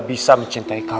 min office di jakarta